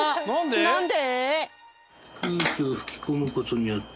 なんで！？